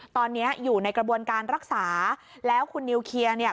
ตอนนี้อยู่ในกระบวนการรักษาแล้วคุณนิวเคลียร์เนี่ย